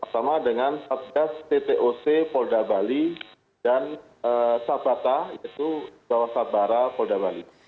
sama dengan satgas ttoc polda bali dan sabata yaitu bawah sabara polda bali